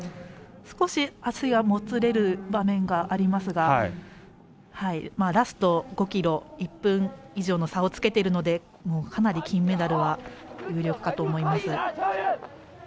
少し足がもつれる場面がありますがラスト５ｋｍ１分以上の差をつけているのでかなり金メダルは有力かと思います。